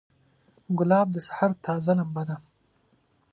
ګلاب د سحر تازه لمبه ده.